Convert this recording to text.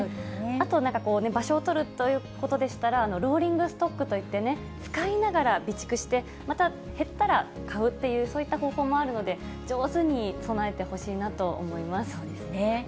あと場所を取るということでしたら、ローリングストックといって、使いながら備蓄して、また減ったら買うという、そういった方法もあるので、上手に備えてほしいなそうですね。